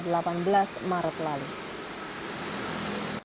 sampai jumpa di video selanjutnya